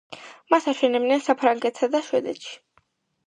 მას აშენებენ საფრანგეთსა და შვედეთში.